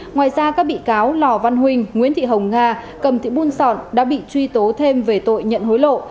ngoài ra các bị cáo lò văn huynh nguyễn thị hồng nga cầm thị buôn sọn đã bị truy tố thêm về tội nhận hối lộ